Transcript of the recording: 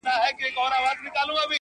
زه پوهېږم شیدې سپیني دي غوا توره.!